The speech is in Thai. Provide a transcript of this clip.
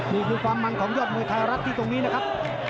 นี่คือความมันของยอดมวยไทยรัฐที่ตรงนี้นะครับ